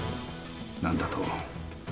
何だと？